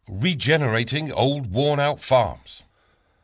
Regenerating Old, Worn Out Farms.